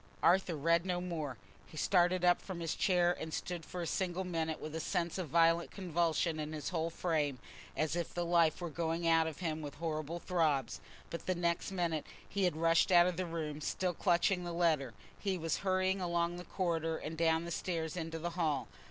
_ Arthur read no more. He started up from his chair and stood for a single minute with a sense of violent convulsion in his whole frame, as if the life were going out of him with horrible throbs; but the next minute he had rushed out of the room, still clutching the letter—he was hurrying along the corridor, and down the stairs into the hall.